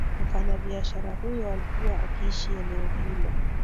Mfanya biashara huyo alikuwa akiishi eneo hilo